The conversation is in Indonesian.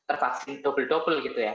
akan tervaksin dobel dobel gitu ya